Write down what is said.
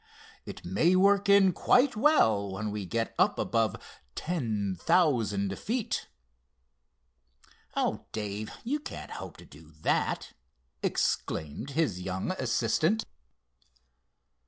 "It may work in quite well when we get up above ten thousand feet." "Oh, Dave, you can't hope to do that!" exclaimed his young assistant.